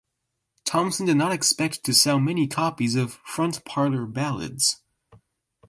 Thompson did not expect to sell many copies of "Front Parlour Ballads".